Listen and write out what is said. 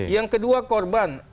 yang kedua korban